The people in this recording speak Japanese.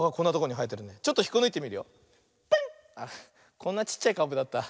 こんなちっちゃいかぶだった。